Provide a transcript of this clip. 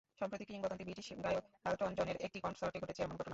সম্প্রতি কিংবদন্তি ব্রিটিশ গায়ক এলটন জনের একটি কনসার্টে ঘটেছে এমন ঘটনা।